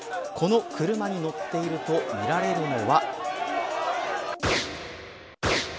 この車に乗っているとみられるのは。